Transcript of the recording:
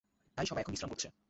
তাই সবাই এখন বিশ্রাম করছে।